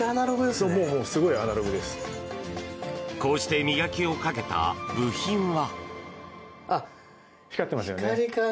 こうして磨きをかけた部品は。